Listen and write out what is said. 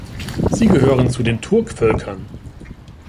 Sie gehören zu den Turkvölkern.